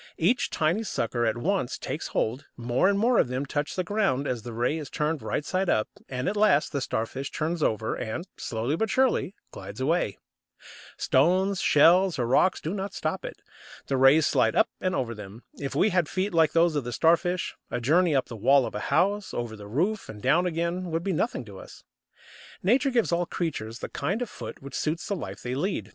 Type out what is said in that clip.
Each tiny sucker at once takes hold, more and more of them touch the ground as the ray is turned right side up, and at last the Starfish turns over, and, slowly but surely, glides away. [Illustration: COMMON FIVE FINGERED STARFISH.] Stones, shells, or rocks do not stop it. The rays slide up and over them. If we had feet like those of the Starfish, a journey up the wall of a house, over the roof, and down again, would be nothing to us. Nature gives all creatures the kind of foot which suits the life they lead.